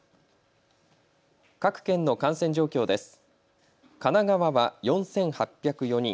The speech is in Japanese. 各県の感染状況です。